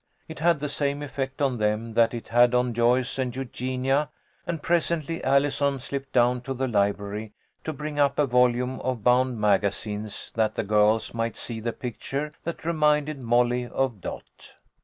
It had the same effect on them that it had on Joyce and Eugenia, and presently Allison slipped down to the library to bring up a volume of bound magazines that the girls might see the picture that reminded Molly of Dot.